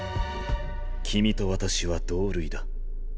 君と私は同類だ。